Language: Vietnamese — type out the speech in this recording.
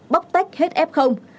bóc tách hết ép không